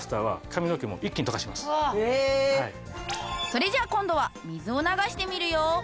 それじゃあ今度は水を流してみるよ。